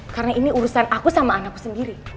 karena ini urusan aku sama anakku sendiri